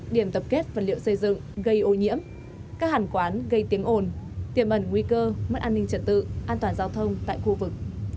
điểm tập kết vật liệu xây dựng gây ô nhiễm các hàn quán gây tiếng ồn tiềm ẩn nguy cơ mất an ninh trật tự an toàn giao thông tại khu vực